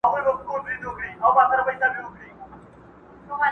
چي زما پیاله راله نسکوره له آسمانه سوله!.